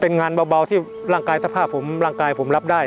เป็นงานเบาที่ร่างกายสภาพผมรับได้